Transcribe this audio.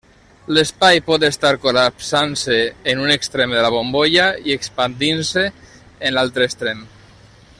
L'espai pot estar col·lapsant-se en un extrem de la bombolla i expandint-se en l'altre extrem.